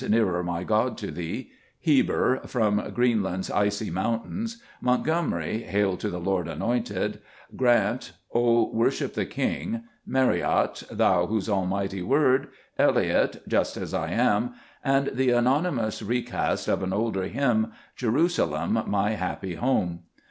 " Nearer, my God, to Thee "; Heber, " From Greenland's icy mountains"; Montgomery, 11 Hail to the Lord's Anointed "; Grant, " O worship the King"; Marriott, " Thou whose almighty word"; Elliott, " Just as I am"; and the anonymous recast of an older hymn, " Jerusalem, my happy home.